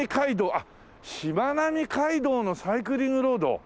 あっしまなみ海道のサイクリングロード。